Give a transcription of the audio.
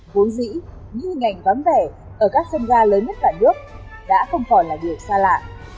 vốn dĩ những ngành vắng vẻ ở các sân ga lớn nhất cả nước đã không còn là điều xa lạ